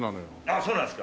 そうなんですか。